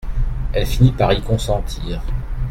Elle finit par y consentir.